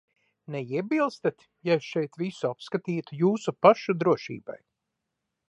Neiebilstat, ja es šeit visu apskatītu jūsu pašu drošībai?